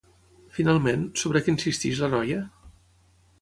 Finalment, sobre què insisteix la noia?